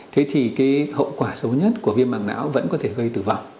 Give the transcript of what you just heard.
thế thì cái hậu quả xấu nhất của viêm mảng não vẫn có thể gây tử vong